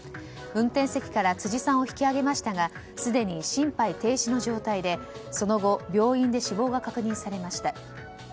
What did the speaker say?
運転席から辻さんを引き揚げましたがすでに心肺停止の状態でその後、病院で死亡が確認されました。